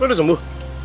lo udah sembuh